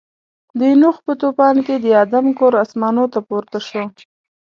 د نوح په طوفان کې د آدم کور اسمانو ته پورته شو.